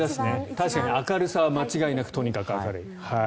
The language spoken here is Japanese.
確かに明るさは間違いなくとにかく明るい。